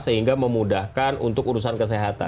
sehingga memudahkan untuk urusan kesehatan